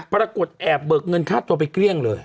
ปรากฏแอบเบิกเงินค่าตัวไปเกลี้ยงเลย